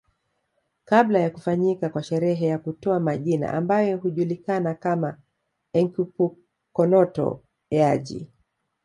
Kabla ya kufanyika kwa sherehe ya kutoa majina ambayo hujulikana kama Enkipukonoto Eaji